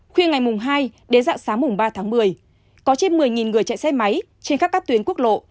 khuya ngày mùng hai đến dạng sáng mùng ba tháng một mươi có trên một mươi người chạy xe máy trên khắp các tuyến quốc lộ